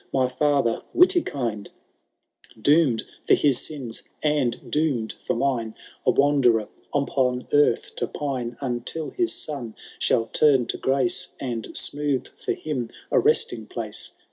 My father Witikind ! DoomVl for his sins, and doomed for mine, A wanderer upon earth to pine Until his son shall turn to grace. And smooth for him a resting place.